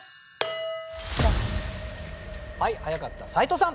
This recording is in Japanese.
早かった斎藤さん。